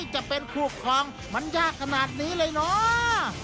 จะเป็นคู่ครองมันยากขนาดนี้เลยเนาะ